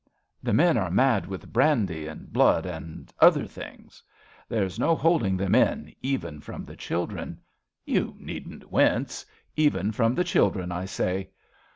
The men are mad with brandy and blood and — other things. There's no holding them in, even from the children. You needn't wince. Even from the children, I say.